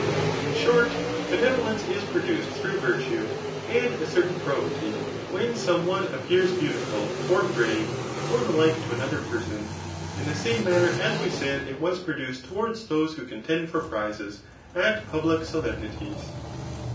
In short, benevolence is produced through virtue, and a certain probity, when some one s^pears beautiful, or brave, or the like to another person; in the same manner as we said it was produced towards those who contend for prizes at public solemnities.